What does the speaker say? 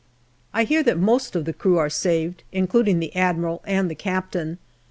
I hear that most of the crew are saved, including the MAY 107 Admiral and the Captain.